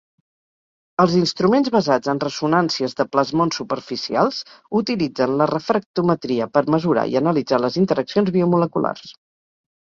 Els instruments basats en ressonàncies de plasmons superficials utilitzen la refractometria per mesurar i analitzar les interacciones biomoleculars.